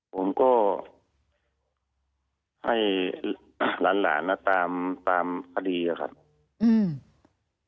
ผมก็ให้หลานหลานนะตามตามคดีอะครับ